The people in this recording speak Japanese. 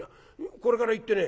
これから行ってね